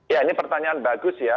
ya ini pertanyaan bagus ya